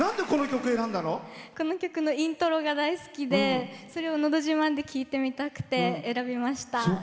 この曲のイントロが大好きでそれを「のど自慢」で聴いてみたくて選びました。